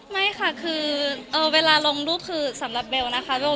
ไม่ค่ะคือเวลาลงรูปคือสำหรับเบลนะคะ